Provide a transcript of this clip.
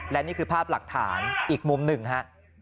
และนี่คือภาพหลักฐานอีกมุมหนึ่งฮะ